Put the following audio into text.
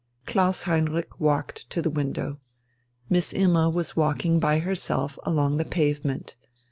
Klaus Heinrich walked to the window. Miss Imma was walking by herself along the pavement.